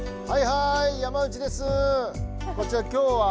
はい。